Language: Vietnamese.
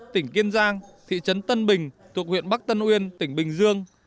tỉnh kiên giang thị trấn tân bình thuộc huyện bắc tân uyên tỉnh bình dương